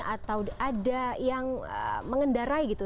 atau ada yang mengendarai gitu